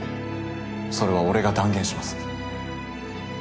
それは俺が断言します。